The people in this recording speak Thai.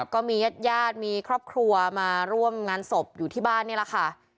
ก็มีญาติญาติมีครอบครัวมาร่วมงานศพอยู่ที่บ้านนี่แหละค่ะ